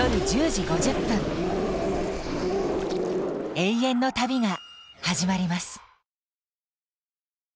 永遠の旅がはじまります。